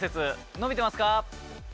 伸びてます。